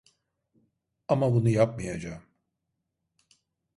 Ama bunu yapmayacağım.